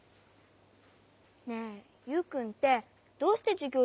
ねえユウくんってどうしてじゅぎょう